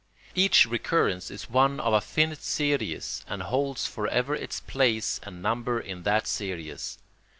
Each recurrence is one of a finite series and holds for ever its place and number in that series.